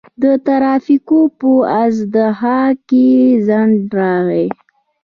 د ترافیکو په ازدحام کې ځنډ راغی.